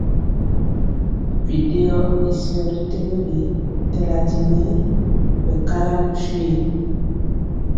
Biɗeyɔ ii syɔ ri tewele tɛla di nɛ ɓɛ kala nu swi.